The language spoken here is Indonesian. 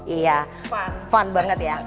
iya fun banget ya